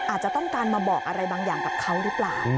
อาจจะต้องการมาบอกอะไรบางอย่างกับเขาหรือเปล่า